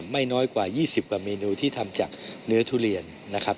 ไม่น้อยกว่า๒๐กว่าเมนูที่ทำจากเนื้อทุเรียนนะครับ